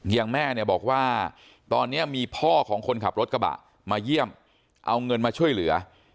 อย่างแม่เนี่ยบอกว่าตอนนี้มีพ่อของคนขับรถกระบะมาเยี่ยมเอาเงินมาช่วยเหลือ